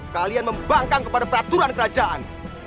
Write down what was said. kalian membangkang kepada peraturan kerajaan